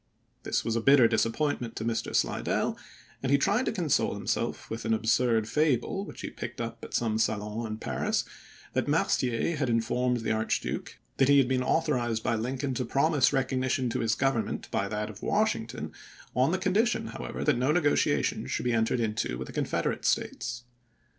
This was a bitter disappointment, to Mr. Slidell, and he tried to console himself with an absurd fable which he picked up at some salon in Paris, that Mercier had informed the Archduke that he had been authorized by Lincoln to promise recognition to his Govern ment by that of Washington, on the condition, however, that no negotiations should be entered into with the Confederate States.